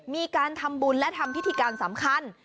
มีการทำบุญและทำพิธีการสำคัญ